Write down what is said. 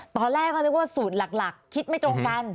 ตอนแรกก็นึกว่าสูตรหลักคิดไม่ตรงกัน